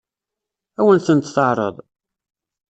Ad wen-tent-teɛṛeḍ?